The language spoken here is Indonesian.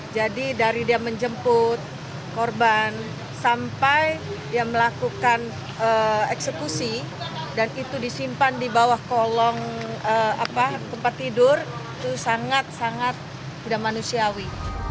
jadi dari dia menjemput korban sampai dia melakukan eksekusi dan itu disimpan di bawah kolong tempat tidur itu sangat sangat sudah manusiawi